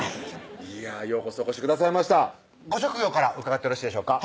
いやようこそお越しくださいましたご職業から伺ってよろしいでしょうか？